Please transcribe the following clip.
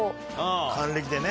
還暦でね。